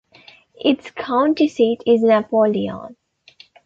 Its county seat is Napoleon.